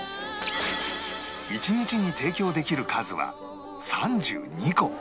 １日に提供できる数は３２個